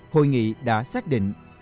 hội nghị đã xác định